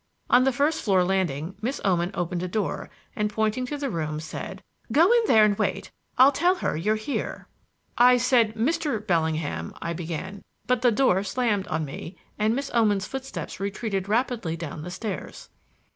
On the first floor landing Miss Oman opened a door and, pointing to the room, said, "Go in there and wait; I'll tell her you're here." "I said Mr. Bellingham " I began; but the door slammed on me, and Miss Oman's footsteps retreated rapidly down the stairs.